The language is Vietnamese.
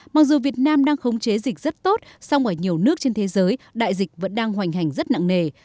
mặc dù việt nam đang khống chế dịch rất tốt song ở nhiều nước trên thế giới đại dịch vẫn đang hoành hành rất nặng nề